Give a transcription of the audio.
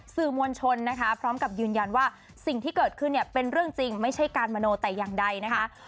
สื่อมวลชนนะคะพร้อมกับยืนยันว่าสิ่งที่เกิดขึ้นเนี่ยเป็นเรื่องจริงไม่ใช่การมโนแต่อย่างใดนะคะ